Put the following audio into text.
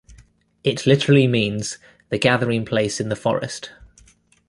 It literally means 'the gathering place in the forest'.